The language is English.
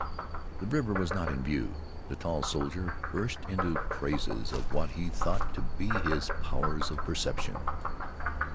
The river was not in view. The tall soldier burst into praises of what he thought to be his powers of perception.